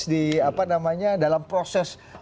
di apa namanya dalam proses